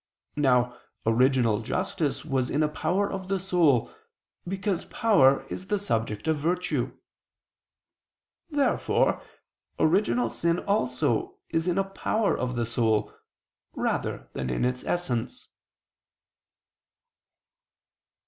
Now original justice was in a power of the soul, because power is the subject of virtue. Therefore original sin also is in a power of the soul, rather than in its essence.